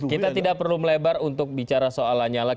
kita tidak perlu melebar untuk bicara soal lanyala